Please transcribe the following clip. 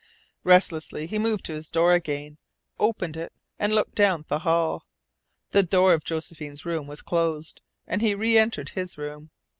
Restlessly he moved to his door again, opened it, and looked down the hall. The door of Josephine's room was closed, and he reentered his room.